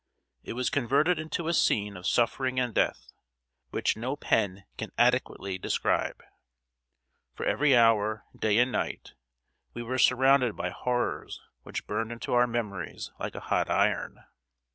It was converted into a scene of suffering and death which no pen can adequately describe. For every hour, day and night, we were surrounded by horrors which burned into our memories like a hot iron.